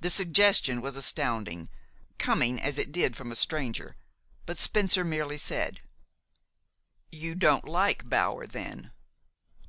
The suggestion was astounding, coming as it did from a stranger; but Spencer merely said: "You don't like Bower, then?"